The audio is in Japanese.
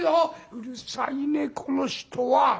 「うるさいねこの人は。